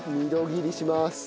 ２度切りします。